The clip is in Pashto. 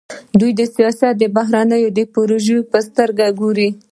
دوی سیاست د بهرنیو د پروژې په سترګه ګوري.